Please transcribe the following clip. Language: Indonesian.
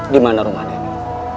di mana rumah nenek